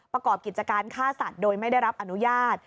ประกอบกิจการฆ่าสัตว์โดยไม่ได้รับอนุญาต